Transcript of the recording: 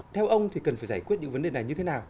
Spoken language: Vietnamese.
theo ông thì cần phải giải quyết những vấn đề này như thế nào